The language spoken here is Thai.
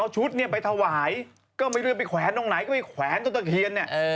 ชุดเนี่ยไปถวายก็ไม่รู้ไปแขวนตรงไหนก็ไปแขวนต้นตะเคียนเนี่ย